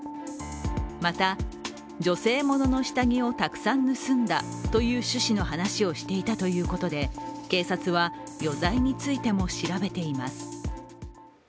また女性ものの下着をたくさん盗んだという趣旨の話をしていたということで警察は余罪についても調べています。